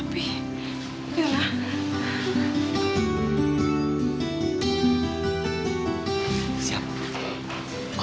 masih aku cuman